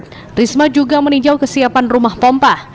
tririsma juga meninjau kesiapan rumah pompa